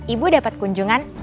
ibu dapat kunjungan